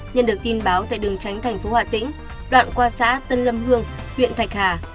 nhân được tin báo tại đường tránh thành phố hà tĩnh đoạn qua xã tân lâm hương huyện thạch hà